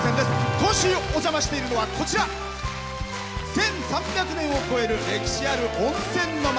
今週お邪魔しているのは１３００年を超える歴史ある温泉の町。